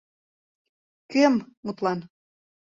Кӧм, мутлан?